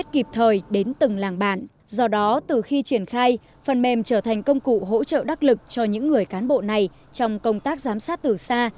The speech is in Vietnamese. khi triển khai phần mềm trở thành công cụ hỗ trợ đắc lực cho những người cán bộ này trong công tác giám sát từ xa